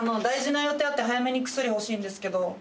大事な予定あって早めに薬欲しいんですけど。